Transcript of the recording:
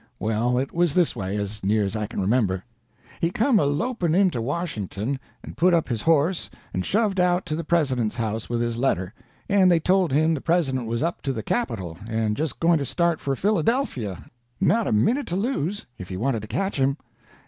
Well, it was this way, as near as I can remember: He come a loping into Washington, and put up his horse and shoved out to the President's house with his letter, and they told him the President was up to the Capitol, and just going to start for Philadelphia—not a minute to lose if he wanted to catch him.